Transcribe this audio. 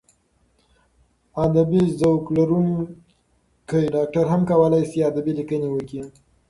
ادبي ذوق لرونکی ډاکټر هم کولای شي ادبي لیکنې وکړي.